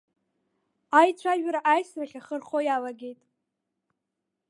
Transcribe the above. Аицәажәара аисрахь ахы архо иалагеит.